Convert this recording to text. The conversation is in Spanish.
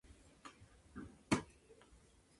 De su amistad con el Rev.